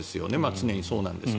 常にそうなんですが。